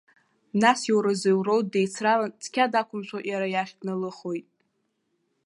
Нас иоуразоуроу деицралан, цқьа дақәымшәо иара иахь дналыхоит.